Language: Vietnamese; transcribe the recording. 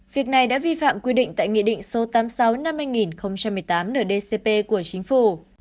việc này đã vi phạm quy định tại nghị định số tám mươi sáu năm hai nghìn một mươi tám ndcp của chính phủ